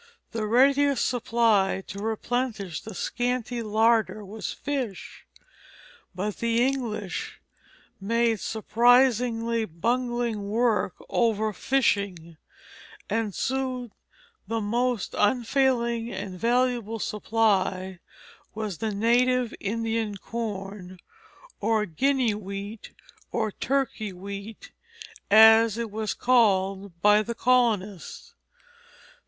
The readiest supply to replenish the scanty larder was fish, but the English made surprisingly bungling work over fishing, and soon the most unfailing and valuable supply was the native Indian corn, or "Guinny wheat," or "Turkie wheat," as it was called by the colonists.